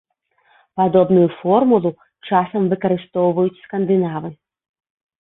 Падобную формулу часам выкарыстоўваюць скандынавы.